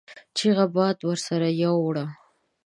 چيغه باد ورسره يو وړه.